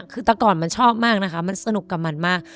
คือแต่ก่อนมันชอบมากนะคะมันสนุกกับมันมาก